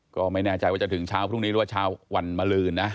ก็ไม่แน่ใจว่าจะถึงเช้าพรุ่งนี้หรือว่าเช้าวันมาลืนนะ